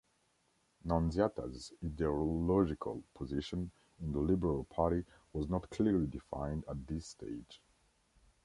Nunziata's ideological position in the Liberal Party was not clearly defined at this stage.